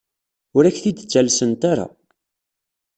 Ur ak-t-id-ttalsent ara.